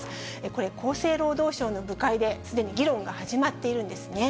これ、厚生労働省の部会ですでに議論が始まっているんですね。